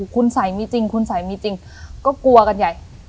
คุณใส่มีจริงคุณใส่มีจริงก็กลัวกันใหญ่